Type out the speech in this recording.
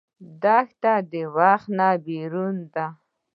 دښته د وخت نه بېرون ده.